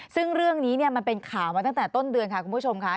ซึ่งเรื่องนี้มันเป็นข่าวมาตั้งแต่ต้นเดือนค่ะคุณผู้ชมค่ะ